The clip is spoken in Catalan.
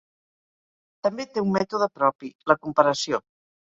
També té un mètode propi: la comparació.